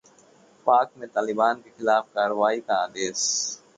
पाक में तालिबान के खिलाफ कार्रवाई का आदेश